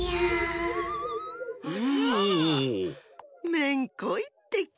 めんこいってけ。